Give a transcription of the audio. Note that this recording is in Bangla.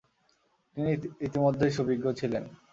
তিনি ইতিমধ্যেই সুবিজ্ঞ ছিলেন।